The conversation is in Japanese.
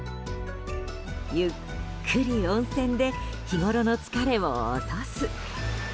ゆっくり温泉で日ごろに疲れを落とす。